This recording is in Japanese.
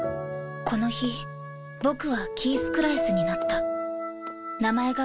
この日僕はキース・クラエスになった。